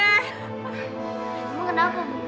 emang kenapa bu